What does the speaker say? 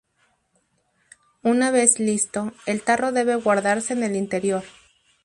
Una vez listo, el tarro debe guardarse en el interior.